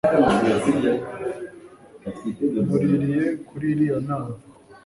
muririye kuri iriya nama